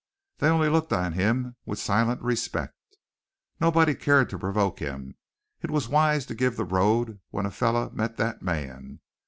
They only looked on him with silent respect. Nobody cared to provoke him; it was wise to give the road when a fellow met that man.